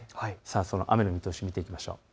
その雨の見通しを見ていきましょう。